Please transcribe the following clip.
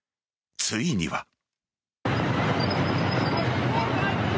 ついには。